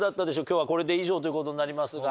今日はこれで以上ということになりますが。